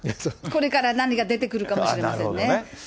これから何か出てくるかもしれませんね。